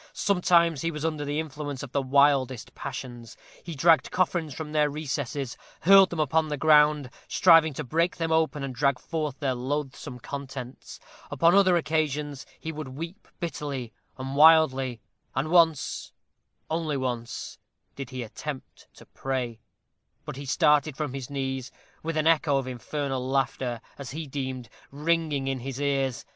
Sometimes he was under the influence of the wildest passions. He dragged coffins from their recesses, hurled them upon the ground, striving to break them open and drag forth their loathsome contents. Upon other occasions he would weep bitterly and wildly; and once only once did he attempt to pray; but he started from his knees with an echo of infernal laughter, as he deemed, ringing in his ears.